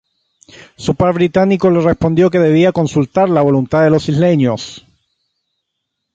Su par británico le respondió que debía consultar la voluntad de los isleños.